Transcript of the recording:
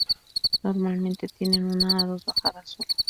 Normalmente tienen una o dos bajadas solo.